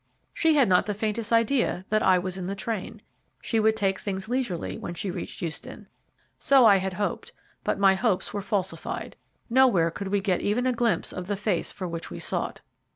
She had not the faintest idea that I was in the train; she would take things leisurely when she reached Euston. So I had hoped, but my hopes were falsified. Nowhere could we get even a glimpse of the face for which we sought.